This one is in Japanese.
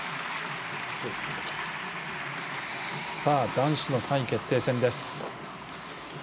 男子の３位決定戦です。